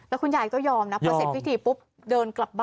แล้วคุณยายก็ยอมนะพอเสร็จพิธีปุ๊บเดินกลับบ้าน